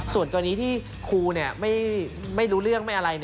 ส่วนกรณีที่ครูไม่รู้เรื่องไม่อะไร